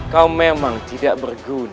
kau memang tidak berguna